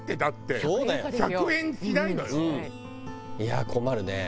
いやあ困るね。